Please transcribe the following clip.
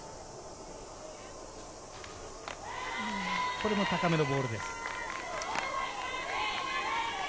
これも高めのボールです。